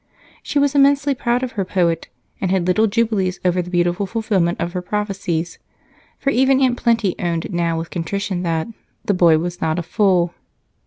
She was immensely proud of her poet, and had little jubilees over the beautiful fulfillment of her prophecies, for even Aunt Plenty owned now with contrition that "the boy was not a fool."